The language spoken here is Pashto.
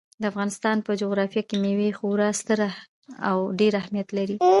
د افغانستان په جغرافیه کې مېوې خورا ستر او ډېر اهمیت لري.